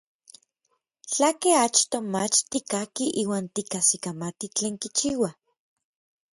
Tlakej achtoj mach tikkakij iuan tikajsikamati tlen kichiua?